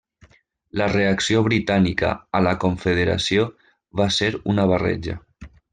La reacció britànica a la Confederació va ser una barreja.